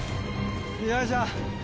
よいしょ。